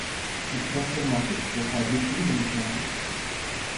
İhtirasları mahdut ve kabiliyetleriyle mütenasiptir.